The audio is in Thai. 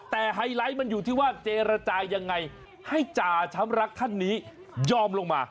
แต่ไฮไลท์มันอยู่ที่ว่าเจรจายังไงให้จ่าช้ำรักท่านนี้ยอมลงมา